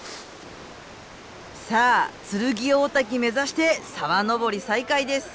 さあ剱大滝目指して沢登り再開です。